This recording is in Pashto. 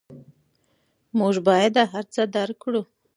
موږ باید دا هر څه درک کړو.